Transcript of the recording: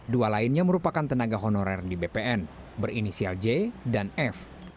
dua lainnya merupakan tenaga honorer di bpn berinisial j dan f